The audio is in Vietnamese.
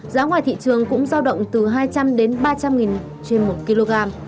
giá ngoài thị trường cũng giao động từ hai trăm linh đến ba trăm linh trên một kg